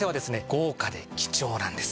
豪華で貴重なんです。